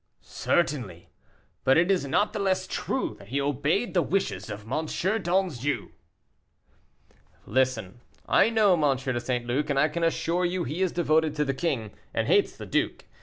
"Certainly; but it is not the less true that he obeyed the wishes of M. d'Anjou." "Listen! I know M. de St. Luc, and I can assure you he is devoted to the king, and hates the duke.